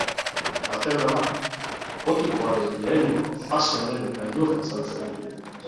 Katedrala gotikoaren lehenengo fase honen gailurra izan zen.